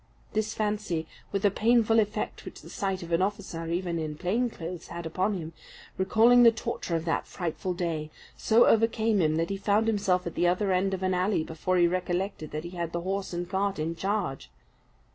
This fancy, with the painful effect which the sight of an officer, even in plain clothes, had upon him, recalling the torture of that frightful day, so overcame him, that he found himself at the other end of an alley before he recollected that he had the horse and cart in charge.